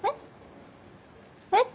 えっ？